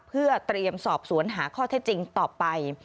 เพื่อเตรียมสอบสวนหาข้อเท็จจริงต่อไป